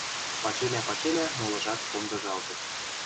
Пачелӓ-пачелӓ молыжат понгыжалтыт.